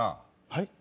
はい？